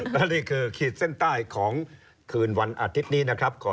และนี่คือขีดเส้นใต้ของคืนวันอาทิตย์นี้นะครับ